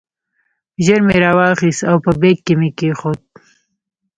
ژر مې راواخیست او په بیک کې مې کېښود.